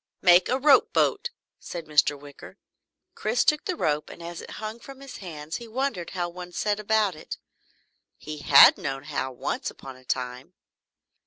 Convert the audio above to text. "Make a rope boat!" said Mr. Wicker. Chris took the rope and as it hung from his hands he wondered how one set about it he had known how, once upon a time.